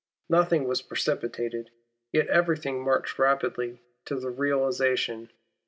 Nothing was precipitated ; yet everything marched rapidly to realization.